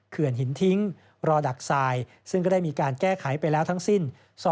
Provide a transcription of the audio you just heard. หินทิ้งรอดักทรายซึ่งก็ได้มีการแก้ไขไปแล้วทั้งสิ้น